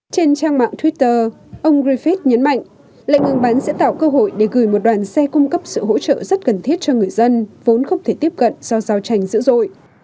trên trang mạng twitter ông griffith nhấn mạnh lệnh ngừng bắn sẽ tạo cơ hội để gửi một đoàn xe cung cấp sự hỗ trợ rất cần thiết cho người dân vốn không thể tiếp cận do giao tranh dữ dội